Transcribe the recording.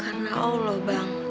karena allah bang